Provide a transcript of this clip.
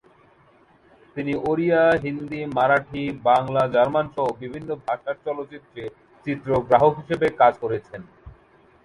তিনি ওড়িয়া, হিন্দি, মারাঠি, বাংলা, জার্মান সহ বিভিন্ন ভাষার চলচ্চিত্রে চিত্রগ্রাহক হিসেবে কাজ করেছেন।